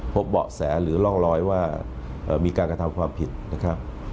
เบาะแสหรือร่องรอยว่ามีการกระทำความผิดนะครับ